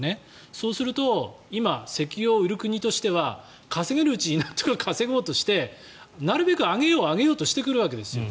そうすると今石油を売る国としては稼げるうちになんとか稼ごうとしてなるべく上げよう上げようとしてくるわけですよ。